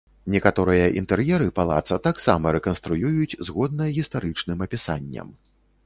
Некаторыя інтэр'еры палаца таксама рэканструююць згодна гістарычным апісанням.